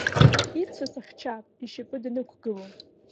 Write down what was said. Ицәа сыхьчап, ишьапы данықәгыло.